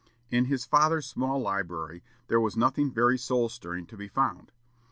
In his father's small library, there was nothing very soul stirring to be found.